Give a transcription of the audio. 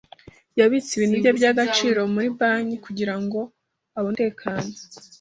Yabitse ibintu bye by'agaciro muri banki kugira ngo abone umutekano.